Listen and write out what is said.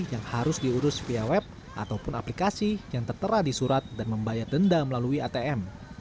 yang harus diurus via web ataupun aplikasi yang tertera di surat dan membayar denda melalui atm